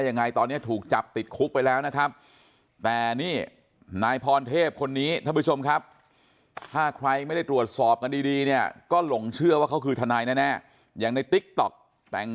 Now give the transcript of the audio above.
นี้ท่านผู้ชมครับถ้าใครไม่ได้ตรวจสอบกันดีเนี่ยก็หลงเชื่อว่าเขาคือทนายแน่แน่อย่างในติ๊กต็อกแต่ง